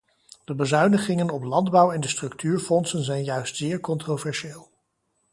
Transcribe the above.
De bezuinigingen op landbouw en de structuurfondsen zijn juist zeer controversieel.